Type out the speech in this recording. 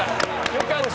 よかった。